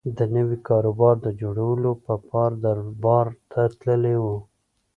د نوي کاروبار د جوړولو په پار دربار ته تللی و.